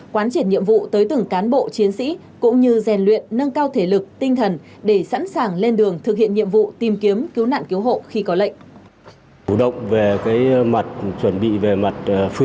quán triển nhiệm vụ tới từng cán bộ chiến sĩ cũng như rèn luyện nâng cao thể lực tinh thần để sẵn sàng lên đường thực hiện nhiệm vụ tìm kiếm cứu nạn cứu hộ khi có lệnh